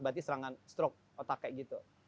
berarti serangan strok otak kayak gitu